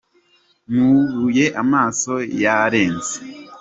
nubuye amaso yarenze.